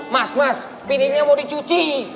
mas mas pilihnya mau dicuci